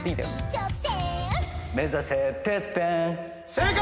正解！